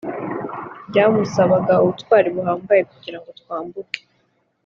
byamusabaga ubutwari buhambaye kugira ngo twambuke